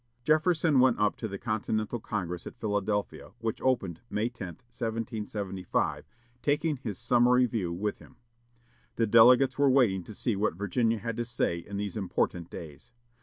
Jefferson went up to the Continental Congress at Philadelphia, which opened May 10, 1775, taking his "Summary View" with him. The delegates were waiting to see what Virginia had to say in these important days.